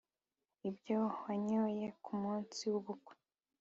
ibyo wanyoye kumunsi w'ubukwe